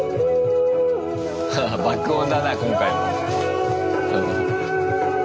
ハハ爆音だな今回も。